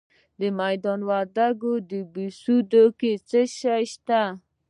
د میدان وردګو په بهسودو کې څه شی شته؟